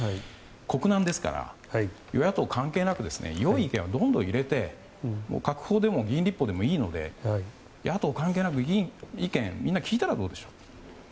国難ですから、与野党関係なく良い意見はどんどん入れて閣法でも議員立法でもいいので野党関係なく、議員の意見をみんな聞いたらどうでしょうか。